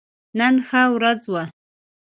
نن ښه ورځ وه